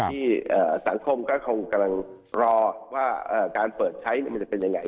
ที่สังคมก็คงกำลังรอว่าการเปิดใช้มันจะเป็นยังไง